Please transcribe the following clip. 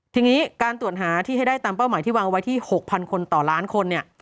ทีนี้การตรวจหาที่ให้ได้ตามเป้าหมายที่วางไว้ที่๖๐๐คนต่อล้านคน